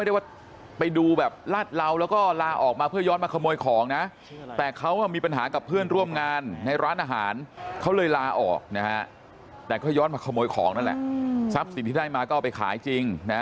อีนอนน้าของเพียวมรือไม่ได้